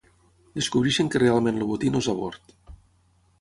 Descobreixen que realment el botí no és a bord.